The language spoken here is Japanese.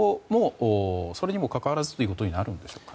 それにもかかわらずということになるんでしょうか。